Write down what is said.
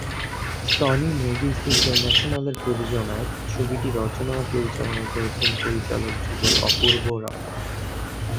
Sony Movies ইন্টারন্যাশনালের প্রযোজনায় ছবিটি রচনা ও পরিচালনা করেছেন পরিচালক যুগল অপূর্ব-রানা।